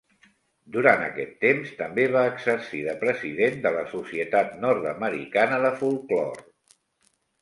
Durant aquest temps, també va exercir de president de la Societat Nord-americana de Folklore.